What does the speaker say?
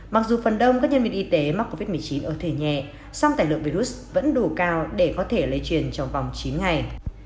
mặc dù phần đông các nhân viên y tế mắc covid một mươi chín ở thể nhẹ song tài lượng virus vẫn đủ cao để có thể lây truyền trong vòng chín ngày